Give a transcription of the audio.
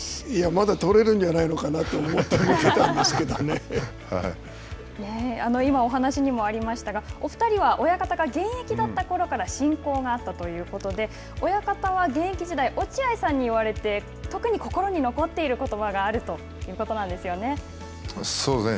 まだ取れるんじゃないのかなと思って今お話しにもありましたがお二人は親方が現役だったころから親交があったということで親方は、現役時代落合さんに言われて特に心に残っていることばがあるそうですね。